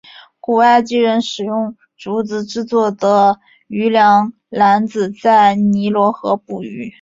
古埃及人使用竹子制作的渔梁篮子在尼罗河捕鱼。